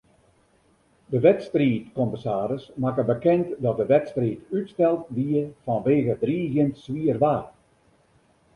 De wedstriidkommissaris makke bekend dat de wedstriid útsteld wie fanwege driigjend swier waar.